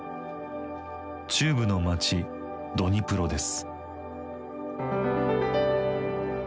中部の街ドニプロです。